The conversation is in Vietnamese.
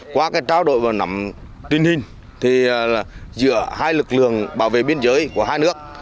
qua cái trao đổi vào năm tuyên hình giữa hai lực lượng bảo vệ biên giới của hai nước